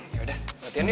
ya udah latihan yuk